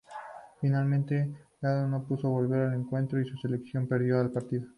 Finalmente, Gábor no pudo volver al encuentro y su selección perdió el partido.